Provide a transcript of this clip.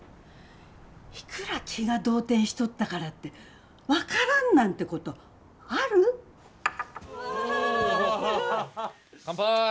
いくら気が動転しとったからって分からんなんてことある？わすごい！